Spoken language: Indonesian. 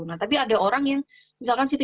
nah tapi ada orang yang menurut saya